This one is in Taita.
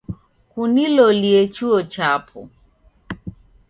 Kunilolie chuo chapo